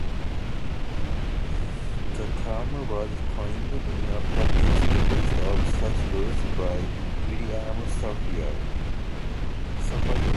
The term was coined in a published list of such rules by William Safire.